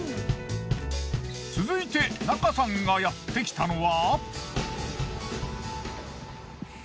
続いて中さんがやってきたのは。